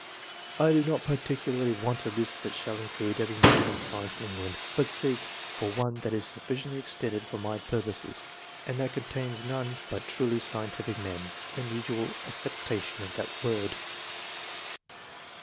I do not i)iirticularly want a list that shall include (,'very man of science in Enghmd, but seek for one that is sufficiently extended for my purposes, and that contains none but truly scientific men, in thc^ usual acceptation of that word.